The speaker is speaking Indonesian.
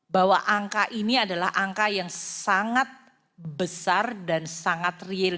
bahwa angka ini adalah angka yang sangat besar dan sangat real